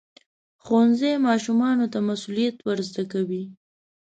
ښوونځی ماشومانو ته مسؤلیت ورزده کوي.